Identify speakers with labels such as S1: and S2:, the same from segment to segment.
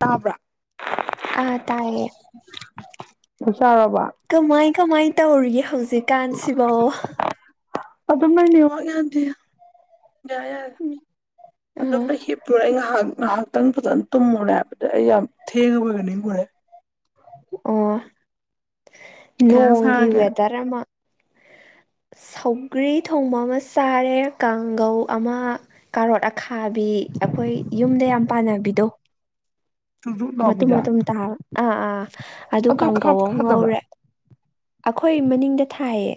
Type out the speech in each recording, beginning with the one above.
S1: ꯇꯥꯕ꯭ꯔꯥ
S2: ꯑꯥ ꯇꯌꯦ
S1: ꯆꯥꯛ ꯆꯥꯔꯕꯣ
S2: ꯀꯃꯥꯏ ꯀꯃꯥꯏ ꯇꯧꯔꯤꯒꯦ ꯍꯧꯖꯤꯛꯀꯥꯟꯁꯤꯕꯧ
S1: ꯑꯗꯨ ꯃꯥꯒꯤ ꯅꯦꯇꯋꯥꯛ ꯌꯥꯗꯦ ꯌꯥꯔꯦ ꯌꯥꯔꯦ
S2: ꯑ
S1: ꯑꯗꯨꯝꯅ ꯍꯤꯞꯇꯨꯔꯦ ꯑꯩ ꯉꯥꯏꯍꯥꯛ ꯉꯥꯏꯍꯥꯛꯇꯪ ꯐꯖꯅ ꯇꯨꯝꯃꯨꯔꯦ ꯍꯥꯏꯕ ꯑꯩ ꯌꯥꯝ ꯊꯦꯡ ꯑꯕꯣꯏꯀꯥ ꯅꯤꯡꯂꯨꯔꯦ
S2: ꯑꯣ
S1: ꯀꯩ ꯏꯟꯖꯥꯡ
S2: ꯅꯣꯡꯒꯤ
S1: ꯆꯥꯔꯒꯦ
S2: ꯋꯦꯗꯔ ꯑꯃ
S1: [inaudible]
S2: ꯁꯧꯒ꯭ꯔꯤ ꯊꯣꯡꯕ ꯑꯃ ꯆꯥꯔꯦ ꯀꯥꯡꯒꯧ ꯑꯃ ꯀꯥꯔꯣꯠ ꯑ ꯈꯥꯕꯤ ꯑꯩꯈꯣꯏ ꯌꯨꯝꯗ ꯌꯥꯝ ꯄꯥꯟꯅꯕꯤꯗꯣ
S1: ꯖꯨꯛꯖꯨꯛ
S2: ꯃꯇꯨꯝ
S1: ꯂꯥꯎꯕꯤꯗ
S2: ꯃꯇꯨꯝ ꯇꯥꯕ ꯑꯥ ꯑꯥ ꯑꯗꯨ ꯀꯥꯡꯀꯧ
S1: ꯈꯥꯕ꯭ꯔꯥ
S2: ꯑꯃ
S1: ꯈꯥꯗꯕ꯭ꯔꯥ
S2: ꯉꯧꯔꯦ ꯑꯩꯈꯣꯏ ꯃꯅꯤꯡꯗ ꯊꯥꯏꯌꯦ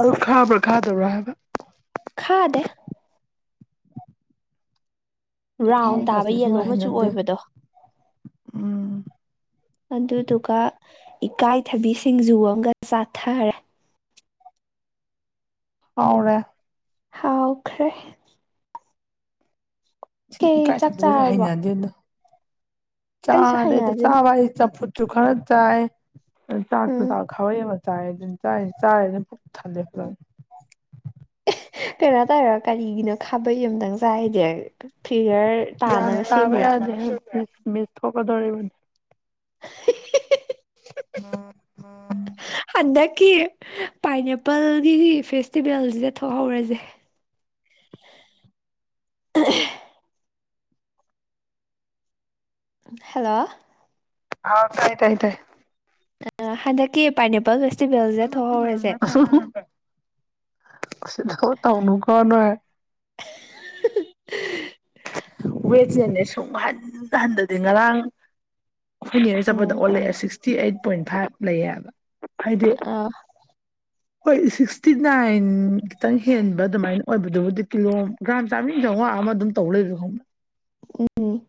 S1: ꯑꯗꯨ ꯈꯥꯕ꯭ꯔꯥ ꯈꯥꯗꯕ꯭ꯔꯥ ꯍꯥꯏꯕ
S2: ꯈꯥꯗꯦ ꯔꯥꯎꯟ ꯇꯥꯕ
S1: ꯊ
S2: ꯌꯦꯂꯣ ꯃꯆꯨ
S1: ꯍꯩꯅꯗꯦ
S2: ꯑꯣꯏꯕꯗꯣ
S1: ꯎꯝ
S2: ꯑꯗꯨꯗꯨꯒ ꯏꯀꯥꯏꯊꯕꯤ ꯁꯤꯡꯖꯨ ꯑꯃꯒ ꯆꯥꯊꯔꯦ
S1: ꯑꯥꯎꯅꯦ
S2: ꯍꯥꯎꯈ꯭ꯔꯦ
S1: ꯁꯤ
S2: ꯀꯩ
S1: ꯏꯀꯥꯏ
S2: ꯆꯥꯛ
S1: ꯊꯝꯕꯤꯒꯁ
S2: ꯆꯥꯔꯕꯣ
S1: ꯍꯩꯅꯗꯦ ꯑꯗꯣ
S2: ꯑꯩꯁꯨ
S1: ꯆꯥꯅꯦꯗ
S2: ꯍꯩꯅꯗꯦ
S1: ꯆꯥꯕꯏꯁꯤ ꯆꯝꯐꯨꯠꯁꯨ ꯈꯔ ꯆꯥꯏ ꯑꯗꯨ ꯆꯥꯛꯁꯨ
S2: ꯎꯝ
S1: ꯆꯥꯛ ꯈꯋꯩ ꯑꯃ ꯆꯥꯏꯦ ꯑꯗꯨꯝ ꯆꯥꯏ ꯆꯥꯔꯦ ꯑꯗꯨꯝ ꯄꯨꯛ ꯊꯜꯂꯦ ꯐꯖꯅ
S2: ꯀꯩꯅꯣ ꯇꯧꯔꯣ ꯀꯔꯤꯒꯤꯅꯣ ꯈꯥꯕꯩ ꯑꯃꯝꯇꯪ ꯆꯥꯏꯗꯤ ꯐꯤꯌꯔ
S1: ꯆꯕꯦ ꯌꯥꯗꯤ ꯃꯤ ꯃꯤꯁ ꯊꯣꯛꯀꯗꯧꯔꯤꯕꯅꯤ ꯎꯝ
S2: ꯍꯟꯗꯛꯀꯤ ꯄꯥꯏꯅꯦꯄꯜꯒꯤ ꯐꯦꯁꯇꯤꯚꯦꯜꯁꯤꯗ ꯊꯣꯛꯍꯧꯔꯁꯦ ꯑ ꯍꯜꯂꯣ
S1: ꯍꯥꯎ ꯇꯥꯏ ꯇꯥꯏ ꯇꯥꯏ
S2: ꯑ ꯍꯟꯗꯛꯀꯤꯦ ꯄꯅꯤꯄꯥꯒꯁ
S1: ꯁꯤꯗꯣ ꯇꯅꯀꯅꯥꯏ
S2: [inaudible]
S1: ꯋꯦꯠꯅꯦꯅꯦ ꯁꯨꯝ ꯍꯟ ꯍꯟꯊꯗꯤ ꯉꯔꯥꯡ ꯑꯩꯈꯣꯏ ꯅꯣꯏ ꯆꯠꯄꯗ
S2: ꯎꯝ
S1: ꯑꯣꯜꯂꯛꯑꯦ ꯁꯤꯛꯁꯇꯤ ꯑꯩꯠ ꯄꯣꯏꯟ ꯐꯥꯏꯚ ꯂꯩꯌꯦꯕ ꯍꯥꯏꯗꯤ
S2: ꯑ
S1: ꯍꯣꯏ ꯁꯤꯛꯁꯇꯤ ꯅꯥꯏꯟ ꯈꯤꯇꯪ ꯍꯦꯟꯕ ꯑꯗꯨꯃꯥꯏꯅ ꯑꯣꯏꯕꯗꯨꯕꯨꯗꯤ ꯀꯤꯂꯣ ꯒ꯭ꯔꯥꯥꯟ ꯆꯥꯃꯤꯟ ꯆꯉ ꯑꯃ ꯑꯗꯨꯝ ꯇꯧ ꯂꯩꯣꯏꯕ ꯈꯣꯅ
S2: ꯎꯝ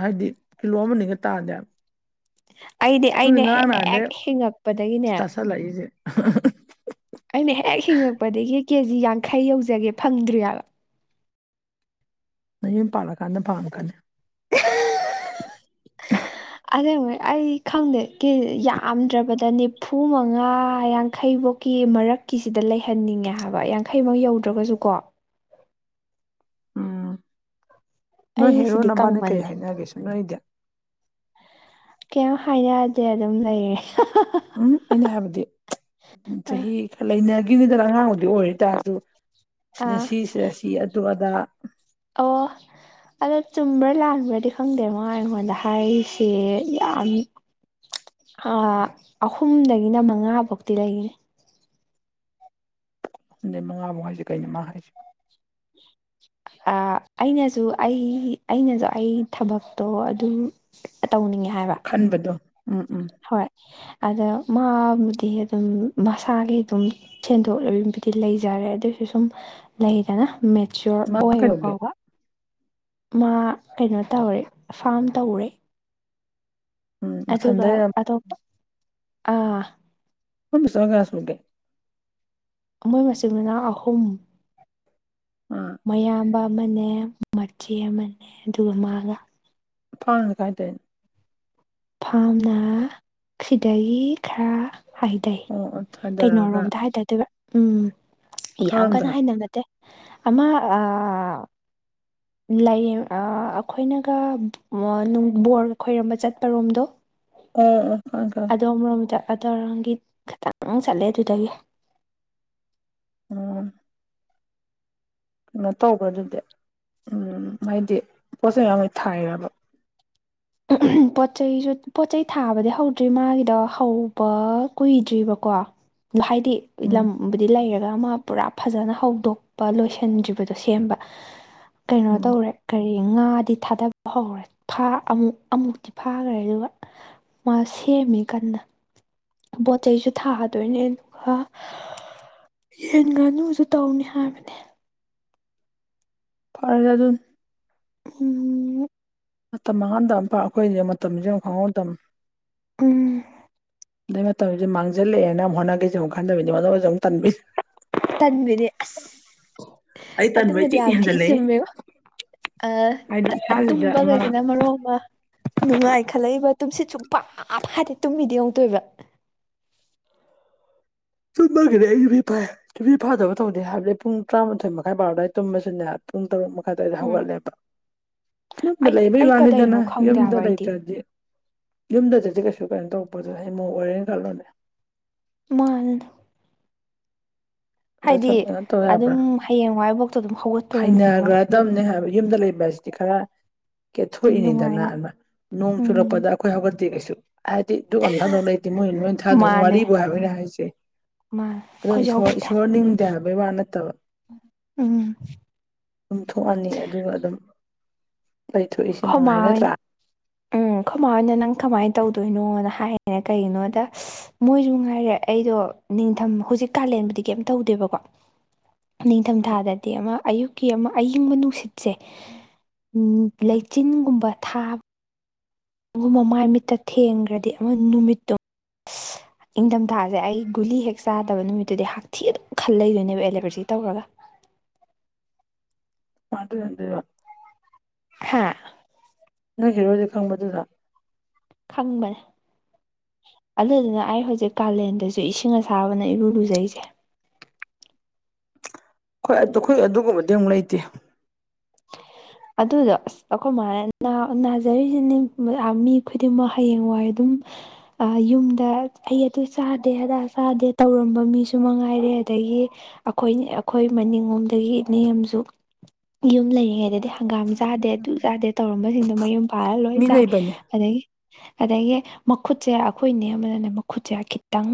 S1: ꯍꯥꯏꯗꯤ ꯀꯤꯂꯣ ꯑꯃꯅꯤꯒ ꯇꯥꯅꯦꯕ
S2: ꯑꯩꯗꯤ ꯑꯩꯅ ꯍꯦꯛ ꯍꯤꯡꯉꯛꯄꯗꯒꯤꯅꯦ
S1: ꯆ ꯂꯏꯁꯦ
S2: ꯑꯩꯅ ꯍꯦꯛ ꯍꯤꯡꯉꯛꯄꯗꯒꯤ ꯀꯦꯖꯤ ꯌꯥꯡꯈꯩ ꯌꯧꯖꯒꯦ ꯐꯪꯗ꯭ꯔꯤꯑꯕ
S1: ꯅ ꯌꯨꯝ ꯄꯥꯜꯛꯑꯀꯥꯟꯗ ꯐꯥꯝꯀꯅꯤ
S2: ꯑꯁꯦꯡꯕꯩ ꯑꯩ ꯈꯪꯗꯦ ꯀ ꯌꯥꯝꯗ꯭ꯔꯕꯗꯅꯦ ꯍꯐꯨ ꯃꯉꯥ ꯌꯥꯡꯈꯩꯐꯧꯀꯤ ꯃꯔꯛꯀꯤꯁꯤꯗ ꯂꯩꯍꯟꯅꯤꯡꯉꯦ ꯍꯥꯏꯕ ꯌꯥꯡꯈꯩꯃꯛ ꯌꯧꯗ꯭ꯔꯒꯁꯨꯀꯣ
S1: ꯎꯝ ꯅꯣꯏ
S2: ꯑꯩ
S1: ꯍꯦꯔꯣ
S2: ꯁꯤꯗꯤ
S1: ꯅꯕꯥꯅ ꯀꯔꯤ
S2: ꯀꯪꯃꯜꯂꯦ
S1: ꯍꯥꯏꯅꯒꯦꯁꯨ ꯅꯣꯏꯗꯤ
S2: ꯀꯩꯝ ꯍꯥꯏꯅꯗꯦ ꯑꯗꯨꯝ ꯂꯩꯌꯦ
S1: ꯎꯝ ꯑꯩꯅ ꯍꯥꯏꯕꯗꯤ ꯎ
S2: ꯑꯥ
S1: ꯆꯍꯤ ꯈꯔ ꯂꯩꯅꯈꯤꯕꯅꯤꯗꯅ ꯑꯉꯥꯡꯕꯨꯗꯤ ꯑꯣꯏꯇꯥꯔꯁꯨ ꯁꯤꯗ
S2: ꯑꯥ
S1: ꯁꯤꯁꯤꯗ ꯁꯤ ꯑꯗꯨ ꯑꯗꯥ
S2: ꯑꯣ ꯑꯗꯣ ꯆꯨꯝꯕ꯭ꯔꯥ ꯂꯥꯟꯕ꯭ꯔꯗꯤ ꯈꯪꯗꯦ ꯃꯅꯥ ꯑꯩꯉꯣꯟꯗ ꯍꯥꯏꯔꯤꯁꯦ ꯌꯥꯝ ꯑꯍꯨꯝꯗꯒꯤꯅ ꯃꯉꯥ ꯐꯥꯎꯗꯤ ꯂꯩꯅꯦ
S1: ꯃꯤꯅꯤꯠ ꯃꯉꯥꯃꯨ ꯍꯥꯏꯁꯁꯤ ꯀꯩꯅꯣ ꯃꯥ ꯍꯥꯏꯁꯤ
S2: ꯑꯩꯅꯁꯨ ꯑꯩ ꯑꯩꯅꯁꯨ ꯑꯩ ꯊꯕꯛꯇꯣ ꯑꯗꯨ ꯇꯧꯅꯤꯡꯉꯦ ꯍꯥꯏꯕ
S1: ꯈꯟꯕꯗꯣ ꯎꯝ ꯎꯝ
S2: ꯍꯣꯏ ꯑꯗ ꯃꯥꯕꯨꯗꯤ ꯑꯗꯨꯝ ꯃꯁꯥꯒꯤ ꯑꯗꯨꯝ ꯁꯦꯟꯗꯣꯛ ꯂꯝꯕꯤꯕꯨꯗꯤ ꯂꯩꯖꯔꯦ ꯑꯗꯨꯑꯣꯏꯁꯨ ꯁꯨꯝ ꯂꯩꯗꯅ ꯃꯦꯆꯆꫭꯔ
S1: ꯃꯥ
S2: ꯑꯣꯏꯕ
S1: ꯀꯩꯗꯧꯒꯦ
S2: ꯐꯥꯎꯕ ꯃꯥ ꯀꯩꯅꯣ ꯇꯧꯔꯦ ꯐꯥꯝ ꯇꯧꯔꯦ
S1: ꯎꯝ
S2: ꯑꯗꯨꯒ
S1: ꯃꯊꯟꯗ
S2: ꯑꯇꯣꯄ ꯑꯥ
S1: ꯍ ꯁꯣꯒꯥꯁꯦ
S2: ꯃꯣꯏ ꯃꯆꯤꯟ ꯃꯅꯥ ꯑꯍꯨꯝ
S1: ꯎꯝ
S2: ꯃꯌꯥꯝꯕ ꯑꯃꯅꯦ ꯃꯆꯦ ꯑꯃꯅꯦ ꯑꯗꯨꯒ ꯃꯥꯒ
S1: ꯐꯥꯎꯅ ꯀꯥꯏꯗꯣꯏꯅꯤ
S2: ꯐꯥꯝꯅ ꯁꯤꯗꯒꯤ ꯈꯔ ꯍꯥꯏꯊꯩ
S1: ꯑꯣ ꯑꯣ ꯊꯥꯗꯔꯒ
S2: ꯀꯩꯅꯣꯔꯣꯝꯗ ꯍꯥꯏꯇꯥꯗꯣꯏꯕ ꯎꯝ ꯌꯥꯝ
S1: ꯈꯥꯔꯣꯝꯗꯔ
S2: ꯀꯟꯅ ꯍꯥꯏꯅꯕ ꯑꯃ ꯑ
S1: INAUDIBLE
S2: ꯂꯩꯌꯦ ꯑꯩꯈꯣꯏꯅꯒ ꯕꯣꯔꯒ ꯈꯣꯏꯔꯝꯕ ꯆꯠꯄꯔꯣꯝꯗꯣ
S1: ꯑꯣ ꯑꯣ ꯑꯣ
S2: ꯑꯗꯣꯝ ꯔꯣꯝꯗ ꯑꯗꯧꯔꯒꯤ ꯈꯤꯇꯪ ꯆꯠꯂꯦ ꯑꯗꯨꯗꯒꯤ
S1: ꯎꯝ ꯀꯩꯅꯣ ꯇꯧꯕ꯭ꯔ ꯑꯗꯨꯗꯤ ꯎꯝ ꯍꯥꯏꯗꯤ ꯄꯣꯠ ꯆꯩꯩ ꯃꯌꯥꯝ ꯂꯣꯏ ꯊꯥꯏꯕ INAUDIBLE
S2: ꯄꯣꯠ ꯆꯩꯁꯨ ꯄꯣꯠ ꯆꯩꯩ ꯊꯥꯕꯗꯤ ꯍꯧꯗ꯭ꯔꯤ ꯃꯥꯒꯤꯗꯣ ꯍꯧꯕ ꯀꯨꯏꯗ꯭ꯔꯤꯕꯀꯣ ꯥꯍꯥꯏꯗꯤ
S1: ꯎꯝ
S2: ꯂꯝ ꯕꯨꯗꯤ ꯗꯤ ꯂꯩꯔꯒ ꯑꯃ ꯄꯨꯔꯥ ꯐꯖꯅ ꯍꯧꯗꯣꯛꯄ ꯂꯣꯏꯁꯤꯟꯗ꯭ꯔꯤꯕꯗꯣ ꯁꯦꯝꯕ ꯀꯩꯅꯣ
S1: ꯎꯝ
S2: ꯇꯧꯔꯦ ꯀꯔꯤ ꯉꯥꯗꯤ ꯊꯥꯗꯕ ꯍꯧꯔꯦ ꯊꯥ ꯑꯃꯨꯛ ꯑꯃꯨꯛꯇꯤ ꯐꯥꯈ꯭ꯔꯦ ꯑꯗꯨꯒ ꯃꯥ ꯁꯦꯝꯃꯦ ꯀꯟꯅ ꯄꯣꯠ ꯆꯩꯁꯨ ꯊꯥꯗꯣꯏꯅꯦ ꯑꯗꯨꯒ ꯌꯦꯟ ꯉꯥꯅꯨꯁꯨ ꯇꯧꯅꯤ ꯍꯥꯏꯕꯅꯦ
S1: ꯐꯔꯦ ꯑꯗꯨꯅ
S2: ꯎꯝ
S1: ꯃꯇꯝ ꯃꯥꯡꯍꯥꯟꯗꯄꯥꯛ ꯑꯩꯈꯣꯏꯁꯦ ꯃꯇꯝꯁꯦ ꯑꯃꯨ ꯈꯪꯍꯧ ꯃꯇꯝ
S2: ꯎꯝ
S1: ꯑꯗꯩ ꯃꯇꯝꯧꯁꯦ ꯃꯥꯡꯁꯤꯜꯂꯛꯑꯦꯅ ꯑꯃ ꯍꯣꯅꯈꯤꯁꯤꯁ ꯑꯃꯨꯛ ꯈꯟꯗꯕꯅꯤ ꯃꯗꯁꯨꯨꯝꯕꯤ ꯇꯥꯟꯕꯤꯅꯤ
S2: ꯇꯟꯕꯤꯅꯦ ꯑꯁ
S1: ꯑꯩ ꯇꯟꯕꯩ
S2: ꯑꯗꯨꯃꯗꯤ
S1: ꯇꯤꯛ
S2: ꯌꯥꯝ ꯊꯤ
S1: ꯍꯦꯟꯖꯜꯂꯛꯑꯦ
S2: ꯆꯨꯝꯃꯦꯕꫭ
S1: ꯍꯥꯏꯗꯤ
S2: ꯑ
S1: ꯏꯁꯥꯁꯤꯗ ꯑꯃ
S2: ꯇꯨꯝꯕꯒꯩꯁꯤꯅ ꯃꯔꯣ ꯑꯃ ꯅꯨꯡꯉꯥꯏ ꯈꯜꯂꯛꯏꯕ ꯇꯨꯝꯁꯤꯠ ꯁꯨꯟ ꯐꯥ ꯐꯥꯗꯦ ꯇꯨꯝꯃꯤꯗꯤ ꯑꯃꯨꯛꯇꫭꯏꯕ
S1: ꯇꯨꯝꯃꯒꯤꯗꯤ ꯑꯩ ꯌꯄꯤ ꯐ ꯇꯨꯁꯤꯠ ꯐꯗꯕ ꯇꯧꯗꯦ ꯍꯥꯏꯕꯗꯤ ꯄꯨꯡ ꯇꯔꯥꯃꯥꯊꯣꯏ ꯃꯈꯥꯏ ꯕꯔꯣꯑꯗꯥꯏ ꯇꯨꯝꯃꯁꯨꯅꯦ ꯄꯨꯡ ꯇꯔꯨꯛ ꯃꯈꯥꯏ ꯑꯗꯨꯋꯥꯏꯗ
S2: ꯎꯝ
S1: ꯍꯧꯒꯠꯂꯦꯕ ꯌꯨꯝꯗ
S2: ꯑꯩ
S1: ꯂꯩꯕꯩ
S2: ꯑꯩ
S1: ꯋꯥꯅꯤꯗꯅ
S2: ꯀꯗꯩꯅꯣ ꯈꯪꯗꯦ
S1: ꯌꯨꯝꯗ
S2: ꯍꯥꯏꯕ ꯑꯩꯗꯤ
S1: ꯂꯩꯇ꯭ꯔꯗꯤ ꯌꯨꯝꯗꯗꯤ ꯀꯩꯁꯨ ꯀꯩꯅꯣ ꯇꯧꯔꯛꯄꯗꯣ ꯍꯌꯦꯡ ꯃꯧ ꯑꯣꯏꯔꯦꯅ ꯈꯜꯠꯂꯣꯅꯦ
S2: ꯃꯥ
S1: ꯑꯗ
S2: ꯍꯥꯏꯗꯤ
S1: ꯁꯨꯝ ꯀꯩꯅꯣ
S2: ꯑꯗꯨꯝ ꯍꯌꯦꯡꯋꯥꯏꯐꯥꯎꯇꯣ ꯑꯗꯨꯝ ꯍꯧꯒꯠ
S1: ꯍꯩꯅꯈ꯭ꯔꯗꯕꯅꯦ ꯍꯥꯏꯕ ꯌꯨꯝꯗ ꯂꯩꯕ ꯍꯥꯏꯁꯤꯗꯤ ꯈꯔ ꯀꯦꯊ
S2: ꯅꯨꯡꯉꯥꯏꯅ
S1: ꯊꯣꯛꯏꯅꯤꯗꯅ ꯅꯣꯡ
S2: ꯎꯝ
S1: ꯆꯨꯔꯛꯄꯗ ꯑꯩꯈꯣꯏ ꯍꯧꯒꯠꯇꯤ ꯀꯩꯁꯨ ꯍꯥꯏꯗꯤ ꯑꯗꯨ ꯙꯀ ꯑꯃꯥ ꯊꯥꯙ ꯂꯤꯇꯦ ꯃꫭꯏ ꯂꫭꯏ ꯊꯥꯙꯕ ꯋꯥꯔꯤꯕꯨ ꯍꯥꯏꯕ ꯑꯩꯅ ꯍꯥꯏꯁꯦ
S2: ꯃꯥ
S1: ꯑꯗꯣ ꯏꯁ ꯏꯁꯣꯔ ꯅꯤꯡꯗꯦ ꯍꯥꯏꯕꯩ ꯋꯥ ꯅꯠꯇꯕ
S2: ꯎꯝ
S1: ꯑꯗꯨꯝ ꯊꯣꯛꯑꯅꯤ ꯑꯗꯨꯒ ꯑꯗꯨꯝ ꯂꯩꯊꯣꯛꯏꯁꯤ
S2: ꯈꯣꯃꯥ
S1: ꯃꯉꯥꯏ ꯅꯠꯇ꯭ꯔꯥ
S2: ꯍꯣꯏꯅ ꯎꯝ ꯈꯨꯃꯥꯅ ꯅꯪ ꯀꯃꯥꯏꯅ ꯇꯧꯗꯣꯏꯅꯣꯅ ꯍꯥꯏꯌꯦꯅ ꯀꯩꯒꯤꯅꯣꯗ ꯃꯣꯏꯁꯨ ꯉꯥꯏꯔꯦ ꯑꯩꯗꯣ ꯅꯤꯡꯊꯝ ꯍꯧꯖꯤꯛ ꯀꯥꯂꯦꯟꯕꯗꯤ ꯀꯩꯝꯇ ꯇꯧꯗꯦꯕꯀꯣ
S1: [inaudible] ꯎꯝ
S2: ꯅꯤꯡꯊꯝꯊꯥꯗꯗꯤ ꯑꯃ ꯑꯌꯨꯛꯀꯤ ꯑꯃ ꯑꯏꯤꯡꯕ ꯅꯨꯡꯁꯤꯠꯁꯦ ꯂꯩꯆꯤꯟꯒꯨꯝꯕ ꯊꯥꯕ ꯑꯗꯨꯒꯨꯝ ꯃ ꯃꯥꯏ ꯃꯤꯠꯇ ꯊꯦꯡꯈ꯭ꯔꯗꯤ ꯑꯃ ꯅꯨꯃꯤꯠꯇꯨ
S1: INAUDIBLE
S2: ꯏꯪꯊꯝꯊꯥꯁꯦ ꯑꯩ ꯒꯨꯂꯤ ꯍꯦꯛ ꯆꯥꯗꯕ ꯅꯨꯃꯤꯠꯇꯨꯗꯤ ꯍꯛꯊꯤ ꯑꯗꯨꯝ ꯈꯜ ꯂꯩꯗꯣꯏꯅꯦꯕ ꯑꯦꯂꯦꯕꯔꯖꯤ ꯇꯧꯔꯒ
S1: ꯃ ꯑꯗꯨꯗ
S2: ꯍꯥꯥ
S1: ꯅꫭꯏ ꯍꯦꯔꯣꯁꯦ ꯈꯪꯕꯗꯨꯗ
S2: ꯈꯪꯕꯅꯦ ꯑꯗꯨꯗꯨꯅ ꯑꯩ ꯍꯧꯖꯤꯛ ꯀꯥꯂꯦꯟꯗꯁꯨ ꯏꯁꯤꯡ ꯑꯁꯥꯕꯅ ꯏꯔꯨ ꯂꯨꯖꯩꯁꯦ
S1: ꯍꯣꯏ ꯑ ꯑꯩꯈꯣꯏ ꯑꯗꯨꯒꯨꯝꯕꯗꯤ ꯑꯃꯨꯛ ꯂꯩꯇꯦ
S2: ꯑꯗꯨꯗꯣ ꯑꯁ ꯑꯩꯈ ꯃꯥꯅ ꯅꯥꯖꯔꯤꯁꯤꯅꯤ ꯃꯤ ꯈꯨꯗꯤꯡꯃꯛ ꯍꯌꯦꯡꯋꯥꯏ ꯑꯗꯨꯝ ꯌꯨꯝꯗ ꯑꯩ ꯑꯗꯨ ꯆꯥꯗꯦ ꯍꯗ ꯆꯥꯗꯦ ꯇꯧꯔꯝꯕ ꯃꯤꯁꯨ ꯃꯉꯥꯏꯔꯦ ꯑꯗꯒꯤ ꯑꯩꯈꯣꯏ ꯑꯩꯈꯣꯏ ꯃꯅꯤꯡꯂꯣꯝꯗꯒꯤ ꯏꯅꯦ ꯑꯃꯁꯨ ꯌꯨꯝ ꯂꯩꯔꯤꯉꯩꯗꯗꯤ ꯍꯪꯒꯥꯝ ꯆꯥꯗꯦ ꯑꯗꯨꯛ ꯆꯥꯗꯦ ꯇꯧꯔꯝꯕꯁꯤꯡꯗꯣ ꯃꯌꯨꯝ ꯄꯥꯜꯂ ꯂꯣꯏ
S1: ꯃꯤ
S2: ꯆꯥꯏ
S1: ꯂꯩꯕꯅꯦ
S2: ꯑꯗꯒꯤ ꯑꯗꯒꯤ ꯃꯈꯨꯠꯁꯦ ꯑꯩꯈꯣꯏꯅꯦ ꯑꯃꯅꯅꯦ ꯃꯈꯨꯠꯁꯦ ꯈꯤꯇꯪ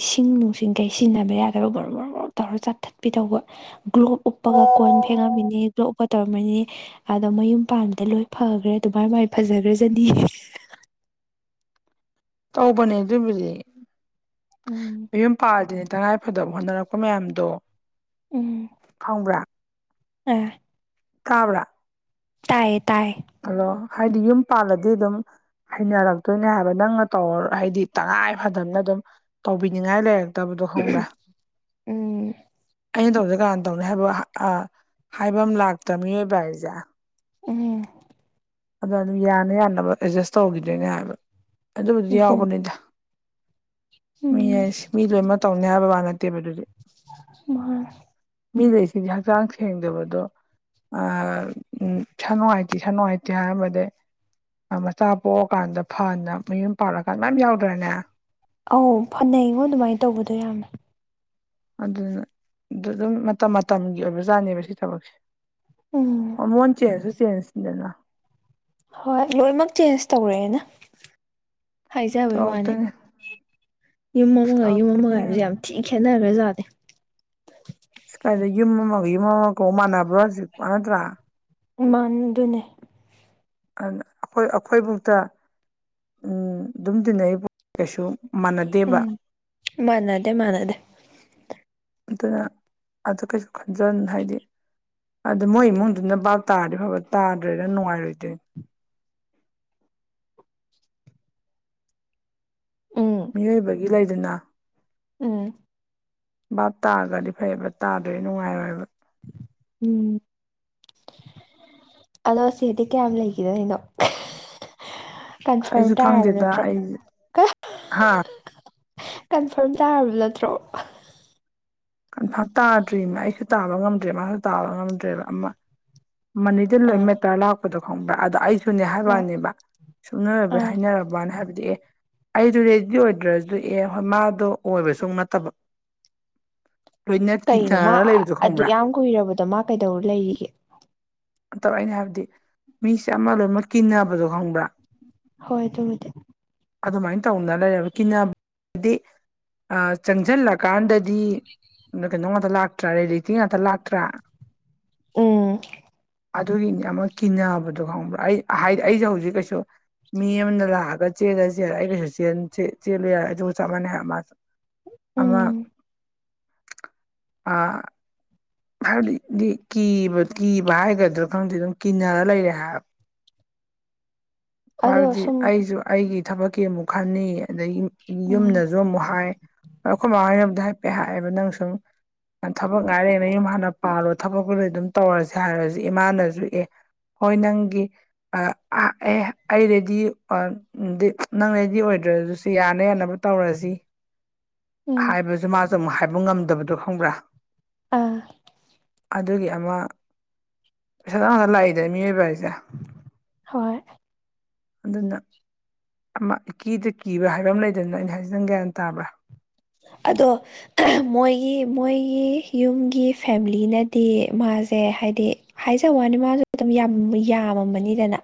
S2: ꯏꯁꯤꯡ ꯅꯨꯡꯁꯤꯡꯈꯩ ꯁꯤꯖꯤꯟꯅꯕ ꯌꯥꯗꯕ ꯕꯣ ꯃꯔ ꯇꯧꯔ ꯆꯥꯊꯠꯄꯤ ꯇꯧꯕ ꯒ꯭ꯂꯣꯞ ꯎꯞꯄꯒ ꯀꯣꯟ ꯐꯦꯡꯉꯝꯃꯤꯅꯤ ꯒ꯭ꯂꯣꯞ ꯎꯞꯄ ꯇꯧꯔꯝꯃꯤꯅꯤ ꯑꯗꯣ ꯃꯌꯨꯝ ꯄꯥꯟꯕꯥꯟꯗ ꯂꯣꯏ ꯐꯈ꯭ꯔꯦ ꯑꯗꯨꯃꯥꯏꯅ ꯃꯃꯥꯏꯅ ꯐꯖꯈ꯭ꯔꯖꯅꯤ
S1: ꯇꯧꯕꯅꯦ ꯑꯗꯨꯕꯨꯗꯤ
S2: ꯎꯝ
S1: ꯌꯨꯝ ꯄꯥꯜꯗꯅꯦ ꯇꯉꯥꯏꯐꯗꯕ ꯍꯣꯠꯅꯔꯛꯄ ꯃꯌꯥꯝꯗꯣ
S2: ꯎꯝ
S1: ꯈꯪꯕ꯭ꯔꯥ
S2: ꯑꯥ
S1: ꯇꯕ꯭ꯔꯥ
S2: ꯇꯌꯦ ꯇꯌꯦ
S1: ꯍꯂꫭ ꯍꯥꯏꯗꯤ ꯌꯨꯝ ꯄꯥꯜꯂꯗꯤ ꯑꯗꯨꯝ ꯍꯩꯅꯔꯛꯇꯣꯏꯅꯦ ꯍꯥꯏꯕ ꯅꯪꯅ ꯇꯧ ꯍꯥꯏꯗꯤ ꯇꯉꯥꯏ ꯐꯗꯅ ꯑꯗꯨꯝ ꯇꯧꯕꯤꯅꯤꯡꯉꯥꯏ ꯂꯩ ꯇꯕꯗꯣ ꯈꯪꯕ꯭ꯔꯥ
S2: ꯎꯝ
S1: ꯑꯩꯅ ꯇꯧꯗ ꯀꯥꯟꯅ ꯇꯧꯅꯤ ꯍꯥꯏꯕ ꯍꯥꯏꯐꯝ ꯂꯥꯛꯇ꯭ꯔ ꯃꯤꯑꯣꯏꯕ ꯍꯥꯏꯔꯤꯁꯦ
S2: ꯎꯝ
S1: ꯑꯗꯣ ꯑꯗꯨꯝ ꯌꯥꯅꯤ ꯌꯥꯅꯕ ꯑꯦꯗꯖꯁ ꯇꯧꯈꯤꯗꯣꯏꯅꯦ ꯍꯥꯏꯕ ꯑꯗꯨꯕꯨꯗꯤ
S2: ꯑꯗꯨꯅꯤ
S1: ꯌꯥꯎꯕꯅꯤꯗ ꯃꯤ
S2: ꯎꯝ
S1: ꯍꯥꯏꯁꯤ ꯃꯤ ꯂꯣꯏꯃꯛ ꯇꯧꯅꯤ ꯍꯥꯏꯕ ꯋꯥꯅꯠꯇꯕ ꯑꯗꯨꯗꯤ
S2: ꯃꯅꯤ
S1: ꯃꯤ ꯂꯩꯁꯤꯗ ꯍꯛꯆꯥꯡ ꯁꯦꯡꯗꯕꯗꯣ ꯑ ꯎ ꯏꯁꯅꯨꯉꯥꯏꯇ‌ꯦ ꯏꯁꯅꯨꯉꯥꯏꯇ ꯍꯥꯏꯝꯕꯗꯤ ꯃꯆꯥ ꯄꯣꯛꯑꯀꯥꯟꯗ ꯐꯅ ꯃꯌꯨꯝ ꯄꯥꯜꯂꯛꯑꯀꯥꯟꯗ ꯃꯌꯥꯝ ꯌꯥꯎꯗ꯭ꯔꯦꯅꯦ
S2: ꯑꯧ ꯐꯅꯩꯡꯉꯣ ꯑꯗꯨꯃꯥꯏꯅ ꯇꯧꯕꯗꯣ ꯌꯥꯝꯃꯦ
S1: ꯑꯗꯨꯗꯨꯅ ꯑꯗꯨ ꯑꯗꯨꯝ ꯃꯇꯝ ꯃꯇꯝꯒꯤ ꯑꯣꯏꯕꯖꯥꯠꯅꯦꯕ ꯁꯤ ꯊꯕꯛꯁꯦ
S2: ꯎꯝ
S1: ꯍꫭꯔꯜꯃꯣꯟ ꯆꯦꯜꯁꯨ ꯆꯦꯟꯅ ꯅꯤꯗꯅ
S2: ꯍꯣꯏ ꯂꯣꯏꯅꯃꯛ ꯆꯦꯟꯖ ꯇꯧꯔꯛꯑꯦꯅ ꯍꯥꯏꯖꯕꯩ ꯋꯥꯅꯤ
S1: ꯇꯧꯔꯛꯇꯣꯏꯅꯦ
S2: ꯌꯨꯝ ꯑꯃꯒ
S1: ꯑꯁ
S2: ꯌꯨꯝ ꯑꯃꯒ ꯍꯥꯏꯕꯁꯦ ꯌꯥꯝ ꯊꯤ ꯈꯦꯠꯅꯈ꯭ꯔꯖꯥꯠꯅꯤ
S1: ꯑꯁ ꯀꯥꯏꯗ ꯌꯨꯝ ꯑꯃꯒ ꯌꯨꯝ ꯑꯃꯒꯀꯧ ꯃꯥꯟꯅꯕ꯭ꯔꯣ ꯍꯧꯖꯤꯛꯄ ꯅꯠꯇ꯭ꯔꯥ
S2: ꯏꯃꯥꯟꯗꯨꯅꯦ
S1: ꯑꯗꯨꯅ ꯑꯩꯈꯣꯏ ꯑꯩꯈꯣꯏꯕꯨꯥꯎꯗ ꯑꯗꯨꯝ ꯇꯤꯟꯅꯔꯤꯕ ꯀꯩꯁꯨ ꯃꯥꯟꯅꯗꯦꯕ
S2: ꯃꯥꯅꯥꯗꯦ ꯃꯥꯅꯗꯦ
S1: ꯑꯗꯨꯅ ꯑꯗꯨ ꯀꯩꯁꯨ ꯈꯟꯖ ꯍꯥꯏꯗꯤ ꯑꯗ ꯃꯣꯏ ꯏꯃꯨꯡꯗꯨꯅ ꯕꯥꯞ ꯇꯥꯔꯗꯤ ꯐꯕ ꯇꯥꯗ꯭ꯔꯦꯔ ꯅꯨꯡꯉꯥꯏꯔꯣꯏꯗꯣꯏ꯫
S2: ꯎꯝ
S1: ꯃꯤꯑꯣꯏꯕꯒꯤ ꯂꯩꯗꯅ
S2: ꯎꯝ
S1: ꯚꯥꯞ ꯇꯥꯔꯒꯗꯤ ꯐꯩꯕ ꯇꯥꯗꯣꯏ ꯅꯨꯡꯉꯥꯏꯔꯣꯏꯕ
S2: ꯎꯝ ꯑꯗꯣ ꯁꯦꯗꯤ ꯀꯌꯥꯝ ꯂꯩꯈꯤꯗꯣꯔꯤꯅꯣ ꯀꯟꯐꯥꯔꯝ
S1: ꯑꯩꯁꯨ
S2: ꯇꯥꯔꯕ
S1: ꯈꯪꯗꯦꯗ
S2: ꯅꯠꯇ꯭ꯔꯣ
S1: ꯑꯩ ꯍꯥ
S2: ꯀꯟꯐꯥꯔꯝ ꯇꯥꯔꯕ ꯅꯠꯇ꯭ꯔꯣ
S1: ꯀꯟꯐꯥꯞ ꯇꯥꯗ꯭ꯔꯤꯃ ꯑꯩꯁꯨ ꯇꯥꯕ ꯉꯝꯗ꯭ꯔꯦ ꯃꯥꯁꯨ ꯇꯥꯕ ꯉꯝꯗ꯭ꯔꯦꯕ ꯑꯃ꯫ ꯃꯅꯤꯗ ꯂꯣꯏ
S2: ꯑꯥ
S1: ꯃꯦꯇꯔ ꯂꯥꯛꯄꯗꯣ ꯈꯪꯕ꯭ꯔꯥ ꯑꯗꯣ ꯑꯩꯁꯨꯅꯦ
S2: ꯍꯣꯏ
S1: ꯍꯥꯏꯔꯛꯑꯅꯦꯕ꯫ ꯁꯨꯡꯅꯔꯕ
S2: ꯑꯥ
S1: ꯍꯥꯏꯅꯔꯕꯅ ꯍꯥꯏꯕꯗꯤ ꯑꯦ꯫ ꯑꯩꯗ ꯔꯦꯗꯤ ꯑꯣꯏꯗ꯭ꯔꯁꯨꯗꯤ ꯑꯦ ꯍꯣꯏ ꯃꯥꯗꯣ ꯑꯣꯏꯕ ꯁꯨꯡ ꯅꯠꯇꯕ꯫ ꯇꯣꯏꯅꯦꯠ ꯀꯤ ꯀꯥꯔꯒꯥ ꯂꯩꯕꯗꯣ ꯈꯪꯕ꯭ꯔꯥ
S2: ꯀꯨꯏꯔꯕꯗꯣ ꯃꯥ ꯀꯩꯗꯧꯔ ꯂꯩꯔꯤꯒꯦ
S1: ꯇꯧꯔꯛꯏꯅꯦ ꯍꯥꯏꯕꯗꯤ ꯃꯤꯁꯦ ꯑꯃ ꯂꯣꯏꯅꯃꯛ ꯀꯤꯟꯅꯕꯗꯣ ꯈꯪꯕ꯭ꯔꯥ
S2: ꯍꯣꯏ ꯇꯕꯨꯗ
S1: ꯑꯗꯨꯃꯥꯏꯅ ꯇꯧꯅ ꯂꯩꯔꯕ ꯀꯤꯗꯤ ꯆꯪꯁꯤꯜꯂꯀꯥꯟꯗꯗꯤ ꯀꯩꯅꯣ ꯉꯥꯛꯇ ꯂꯥꯛꯇ꯭ꯔꯥ ꯔꯤꯂꯤꯦꯇꯤ ꯉꯥꯛꯇ ꯂꯥꯛꯇ꯭ꯔꯥ
S2: ꯎꯝ
S1: ꯑꯗꯨꯒꯤꯅꯦ ꯑꯃ ꯀꯤꯅꯕꯗꯣ ꯈꯪꯕ꯭ꯔꯥ ꯑꯩ ꯍꯥꯏꯗꯤ ꯑꯩꯁꯨꯦ ꯍꯧꯖꯤꯛ ꯀꯩꯁꯨ ꯃꯤ ꯑꯃꯗ ꯂꯥꯛꯑꯒ ꯆꯦꯜꯂ ꯆꯦꯜꯦ ꯑꯩ ꯀꯩꯁꯨ ꯆꯦꯜꯂꯨ ꯍꯥꯏꯔꯦ ꯑꯩꯁꯨ ꯆꯞ ꯃꯥꯟꯅꯩ ꯍꯥꯏ ꯃꯥ꯫ ꯑꯃ
S2: ꯎꯝ
S1: ꯑ ꯍꯥꯏꯕꯗꯤꯗꯤ ꯀꯤꯕ ꯀꯤꯕ ꯍꯥꯏꯒꯗ꯭ꯔꯥ ꯈꯪꯗꯦ ꯑꯗꯨꯝ ꯀꯤꯟꯅꯔ ꯂꯩꯔꯦ ꯍꯥꯏ
S2: ꯑꯗꯣ
S1: ꯍꯥꯏꯕꯗꯤ
S2: ꯁꯨꯝ
S1: ꯑꯩꯁꯨ ꯑꯩꯒꯤ ꯊꯕꯛꯀꯤ ꯑꯃꯨꯛ ꯈꯅꯤ ꯑꯗꯒꯤ꯫
S2: ꯎꯝ
S1: ꯌꯨꯝꯗꯁꯨ ꯑꯃꯨꯛ ꯍꯥꯏ꯫ ꯑꯩꯈꯣꯏ ꯃꯃꯥꯡꯅ ꯑꯝꯗ ꯍꯥꯏꯐꯦꯠ ꯍꯥꯏꯑꯦꯕ ꯅꯪ ꯁꯨꯝ ꯌꯥꯝ ꯊꯕꯛ ꯉꯥꯏꯔꯤ꯫ ꯌꯨꯝ ꯍꯥꯟꯅ ꯄꯥꯜꯔꯣ ꯊꯕꯛ ꯑꯗꯨꯝ ꯇꯧꯔꯁꯦ ꯍꯥꯏꯔꯁꯤ ꯏꯃꯥꯅꯁꯨ ꯑꯦ ꯍꯣꯏ ꯅꯪꯒꯤ ꯑꯦ ꯑꯩ ꯔꯦꯗꯤ ꯅꯪ ꯔꯦꯗꯤ ꯑꯣꯏꯗ꯭ꯔ ꯑꯗꯨꯁꯨ ꯌꯥꯅ ꯌꯥꯅꯕ꯫ ꯇꯧꯔꯁꯤ
S2: ꯎꯝ
S1: ꯍꯥꯏꯕꯁꯨ ꯃꯥꯁꯨ ꯑꯃꯨꯛ ꯍꯥꯏꯕ ꯉꯝꯗꯕꯗꯣ ꯈꯪꯕ꯭ꯔꯥ꯫
S2: ꯑꯥ
S1: ꯑꯗꯨꯒꯤ ꯑꯃ ꯄꯩꯁꯥ ꯇ ꯉꯇ ꯂꯥꯛꯏꯗ ꯃꯤꯑꯣꯏꯕ ꯍꯥꯏꯁꯦ
S2: ꯍꯣꯏ
S1: ꯑꯗꯨꯅ ꯑꯃ ꯏꯀꯤꯦꯗ ꯀꯤꯕ ꯍꯥꯏꯕ ꯑꯃ ꯂꯩꯗꯅ ꯑꯩꯅ ꯍꯥꯏꯖꯗꯪ ꯒ꯭ꯌꯥꯟ ꯇꯥꯕ꯭ꯔꯥ
S2: ꯑꯗꯣ ꯃꯣꯏꯒꯤ ꯃꯣꯏꯒꯤ ꯌꯨꯝꯒꯤ ꯐꯦꯂꯤꯅꯗꯤ ꯃꯥꯁꯦ ꯍꯥꯏꯗꯤ ꯍꯥꯏꯖ ꯋꯥꯅꯤ ꯃꯥꯁꯨ ꯑꯗꯨꯝ ꯌꯥꯝꯃꯕꯅꯤꯗꯅ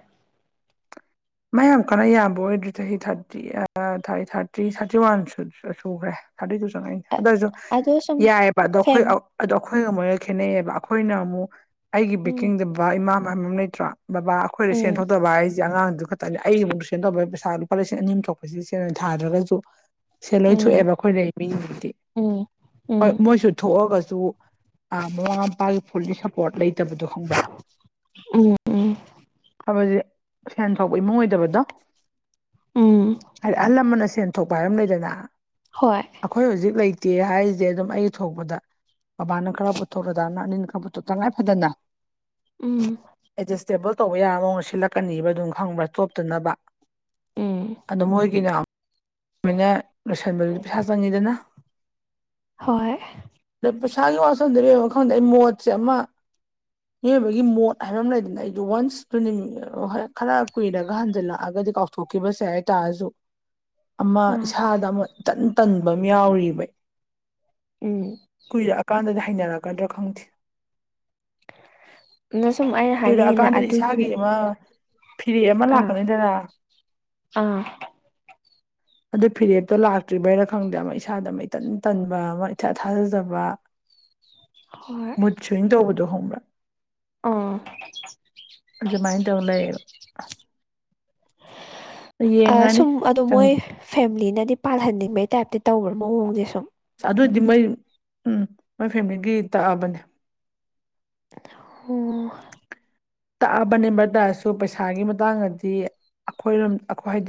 S1: ꯃꯌꯥꯝ ꯀꯟꯅ ꯌꯥꯕ ꯑꯣꯏꯗ꯭ꯔꯤ ꯆꯍꯤ ꯊꯥꯔꯇꯤ ꯊ ꯊꯥꯔꯇꯤ ꯊꯥꯔꯇꯤ ꯋꯥꯟ ꯁꯨꯈ꯭ꯔꯦ꯫ ꯊꯥꯔꯇꯤ ꯇꯨ ꯆꯪꯉꯛꯅꯤ ꯑꯗꯨ ꯑꯣꯏꯏꯁꯨ
S2: ꯑꯗꯣ ꯁꯨꯝ
S1: ꯌꯥꯏꯑꯕ ꯑꯗꯣ ꯑꯩꯈꯣꯏ
S2: ꯐꯦꯝ
S1: ꯑꯗꯣ ꯑꯩꯈꯣꯏꯒ ꯃꯣꯏꯒ ꯈꯦꯠꯅꯩꯌꯦꯕ ꯑꯩꯈꯣꯏꯅ ꯑꯃꯨꯛ ꯑꯩꯒꯤ
S2: ꯎꯝ
S1: ꯕꯦꯛꯀꯤꯡꯗꯕ ꯏꯃꯥ ꯃꯌꯥꯝ ꯑꯃ ꯂꯩꯇ꯭ꯔꯥ ꯕꯕꯥ ꯑꯩꯈꯣꯏꯗ ꯁꯦꯟ
S2: ꯎꯝ
S1: ꯊꯣꯛꯇꯕ ꯑꯩꯁ ꯑꯉꯥꯡꯗꯨ ꯈ ꯑꯩꯒꯤ ꯑꯃꯨꯛ ꯇꯨꯁꯦꯟ ꯇꯧꯕ ꯄꯩꯁꯥ ꯂꯨꯄꯥ ꯂꯤꯁꯤꯡ ꯑꯅꯤ ꯑꯨ ꯊꯣꯛꯄꯁꯤ ꯁ ꯊꯥꯗ꯭ꯔꯒꯁꯨ ꯁꯦ
S2: ꯎꯝ
S1: ꯂꯣꯏꯊꯣꯛꯑꯦꯕ ꯑꯩꯈꯣꯏ ꯂꯩ ꯃꯤꯁꯤꯡꯗꯤ
S2: ꯎꯝ
S1: ꯍꯣꯏ
S2: ꯎꯝ
S1: ꯃꯣꯏꯁꯨ ꯊꯣꯛꯑꯒꯁꯨ꯫ ꯑ ꯃꯃꯥ ꯃꯄꯥꯒꯤ ꯐꯨꯜꯂꯤ ꯁꯄꯣꯔꯠ ꯂꯩꯇꯕꯗꯣ ꯈꯪꯕ
S2: ꯎꯝ ꯎꯝ
S1: ꯍꯥꯏꯕꯁ ꯁꯦꯟ ꯐꯥꯎꯕ ꯏꯃꯨꯡ ꯑꯣꯏꯗꯕꯗꯣ
S2: ꯎꯝ
S1: ꯍꯥꯏꯗꯤ ꯑꯍꯜ ꯂꯃꯟꯅ ꯁꯦꯟ ꯊꯣꯛꯄ ꯍꯥꯏꯕꯝ ꯂꯩꯗꯅ
S2: ꯍꯣꯏ
S1: ꯑꯩꯈꯣꯏ ꯍꯧꯖꯤꯛ ꯂꯩꯇꯦ ꯍꯥꯏꯔꯤꯁꯦ ꯑꯗꯨꯝ ꯑꯩ ꯊꯣꯛꯄꯗ ꯕꯥꯅ ꯈꯔ ꯄꯨꯊꯣꯛꯂꯗ ꯅ ꯑꯅꯤꯅ ꯈꯔ ꯄꯨꯊꯣꯛ ꯇꯉꯥꯏ ꯐꯗꯅ
S2: ꯎꯝ
S1: ꯑꯦꯗꯖꯁꯇꯦꯕꯜ ꯇꯧꯕ ꯌꯥꯔ ꯃꯑꯣꯡꯅ ꯁꯤꯠꯂꯛꯀꯅꯤꯕ ꯑꯗꯨꯝ ꯈꯪꯕ꯭ꯔꯥ ꯇꯣꯞꯇꯅꯕ
S2: ꯎꯝ
S1: ꯑꯣ ꯃꯣꯏꯒꯤꯅꯅ ꯂꯣꯏꯁꯤꯟꯕꯗꯨꯗꯤ ꯄꯩꯁꯥ ꯆꯪꯉꯤꯗꯅ꯫
S2: ꯍꯣꯏ
S1: ꯑꯗꯩ ꯄꯩꯁꯥꯒꯤ ꯋꯥꯁꯜꯗ ꯂꯩꯡꯣ ꯈꯪꯗꯦ ꯑꯩ ꯃꯣꯠꯁꯦ ꯑꯃ ꯃꯤꯑꯣꯏꯕꯒꯤ ꯃꯣꯠ ꯍꯥꯏꯕ ꯑꯃ ꯂꯩꯗꯅ ꯑꯩꯗꯣ ꯋꯥꯟꯁ ꯇ ꯈꯔ ꯀꯨꯏꯔꯒ ꯍꯟꯖꯤꯜꯂꯛꯑꯒꯗꯤ ꯀꯥꯎꯊꯣꯛꯈꯤꯕꯁꯦ ꯍꯥꯏꯇꯥꯔꯁꯨ ꯑꯃ
S2: ꯑꯥ
S1: ꯏꯁꯥꯗ ꯑꯃ ꯏ ꯇꯟ ꯇꯟꯕ ꯑꯃ ꯌꯥꯎꯔꯤꯕ
S2: ꯎꯝ
S1: ꯀꯨꯏꯔꯛꯑꯀꯥꯟꯗꯗꯤ ꯍꯩꯅꯔꯛꯀꯗ꯭ꯔꯥ ꯈꯪꯗꯦ
S2: ꯑꯗ ꯁꯨꯝ ꯑꯩꯅ
S1: ꯀꯣꯏꯔ
S2: ꯍꯥꯏꯅꯤꯡꯉꯤꯅ
S1: ꯀꯥꯗꯔꯤ
S2: ꯑꯗꯨꯒꯤ
S1: ꯁꯥꯥꯒꯦꯃ ꯐꯔꯤꯌꯥ ꯑꯃ
S2: ꯑꯥ
S1: ꯂꯥꯛꯒꯅꯤꯗꯔꯥ
S2: ꯑꯥ
S1: ꯑꯗꯨ ꯐꯤꯔꯦꯞꯇꯣ ꯂꯥꯛꯇ꯭ꯔꯤꯕꯩꯅ ꯈꯪꯗꯦ ꯑꯃ ꯏꯁꯥꯗ ꯑꯃ ꯏꯇꯟ ꯇꯟꯕ ꯑꯃ ꯏꯊꯠ ꯊꯥꯖꯖꯕ [inaudible]
S2: ꯍꯣꯏ
S1: ꯁꯋꯤꯡ ꯇꯧꯕꯗꯣ ꯍꯪꯕ꯭ꯔꯥ
S2: ꯑꯥ
S1: ꯑꯗꯨꯃꯥꯏꯅ ꯇꯧ ꯂꯩꯌꯦꯕ [unintelligible] ꯌꯦꯡꯉꯅꯤ
S2: ꯁꯨꯝ ꯑꯗꯨ ꯃꯣꯏ ꯐꯦꯂꯤꯅꯗꯤ ꯄꯥꯜꯍꯟꯅꯤꯡꯕꯩ ꯇꯥꯏꯞꯇꯤ ꯇꯧꯕ꯭ꯔꯥ ꯃꯑꯣꯡꯗꯤꯦ ꯁꯨꯝ
S1: ꯑꯗꯨꯏꯗꯤ ꯃꯣꯏ ꯎꯝ ꯃꯣꯏ ꯐꯦꯃꯤꯂꯤꯒꯤ ꯇꯛꯑꯕꯅꯦ
S2: ꯑꯣ
S1: ꯇꯛꯑꯕꯅꯦ ꯍꯥꯏꯇꯥꯥꯔꯁꯨ ꯄꯩꯁꯥꯒꯤ ꯃꯇꯥꯡꯗꯗꯤ ꯑꯩꯈꯣꯏꯔꯣꯝ ꯑꯩꯈꯣꯏ ꯍꯥꯏꯗꯤ